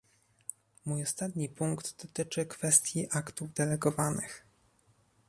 Mój ostatni punkt dotyczy kwestii aktów delegowanych